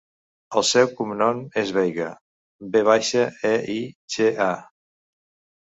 El seu cognom és Veiga: ve baixa, e, i, ge, a.